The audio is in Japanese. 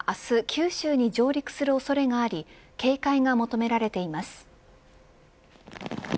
九州に上陸する恐れがあり警戒が求められています。